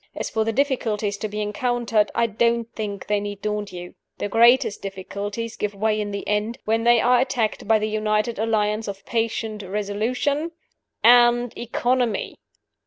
As for the difficulties to be encountered, I don't think they need daunt you. The greatest difficulties give way in the end, when they are attacked by the united alliance of patience resolution and economy."